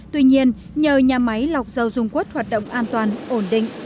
tuy nhiên nhờ nhà máy lọc dầu dung quất hoạt động an toàn ổn định